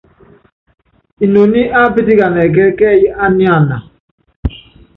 Inoní á pítikan ɛkɛɛ́ kɛ́y á niana.